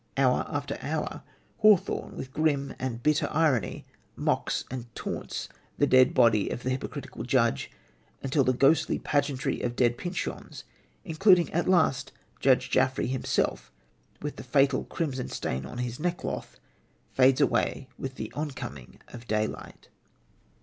Hour after hour, Hawthorne, with grim and bitter irony, mocks and taunts the dead body of the hypocritical judge until the ghostly pageantry of dead Pyncheons including at last Judge Jaffery himself with the fatal crimson stain on his neckcloth fades away with the oncoming of daylight.